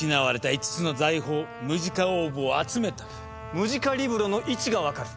ムジカリブロの位置が分かる。